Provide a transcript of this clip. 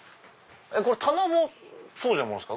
棚もそうじゃないですか？